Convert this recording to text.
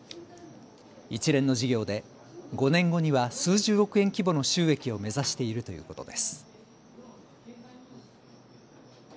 一連の事業で５年後には数十億円規模の収益を目指しているということです。